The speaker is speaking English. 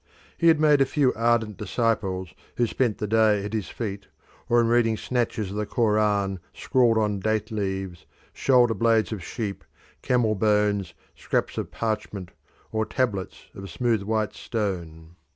He had made a few ardent disciples who spent the day at his feet, or in reading snatches of the Koran scrawled on date leaves, shoulder blades of sheep, camel bones, scraps of parchment, or tablets of smooth white stone.